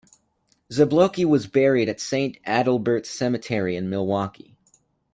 Zablocki was buried at Saint Adalbert's Cemetery in Milwaukee.